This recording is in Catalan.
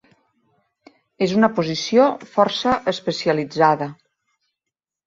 És una posició força especialitzada.